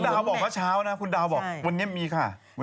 คุณดาวบอกมาเช้านะวันนี้มีค่ะ